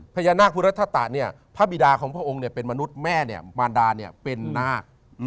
พญานาคภูริธัตตะเนี่ยพระบิดาของพระองค์เนี่ยเป็นมนุษย์แม่เนี่ยมารดาเนี่ยเป็นนาค